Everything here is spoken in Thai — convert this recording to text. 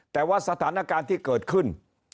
แต่ว่าสถานการณ์ที่เกิดขึ้น